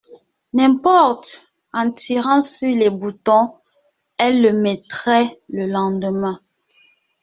N'importe, en tirant sur les boutons, elle le mettrait le lendemain.